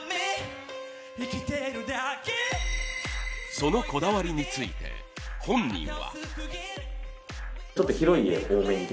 そのこだわりについて本人は。